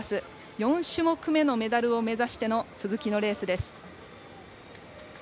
４種目めのメダルを目指しての鈴木のレースです。